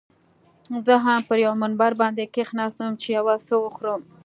زه هم پر یو میز باندې کښېناستم، چې یو څه وخورم.